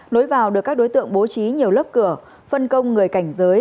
lối vào được các đối tượng bố trí nhiều lớp cửa phân công người cảnh giới